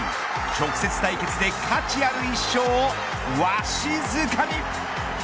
直接対決で価値ある１勝をわしづかみ。